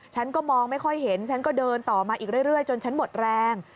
ฉันก็มองไม่ค่อยเห็นฉันก็เดินต่อมาอีกเรื่อยจนฉันหมดแรง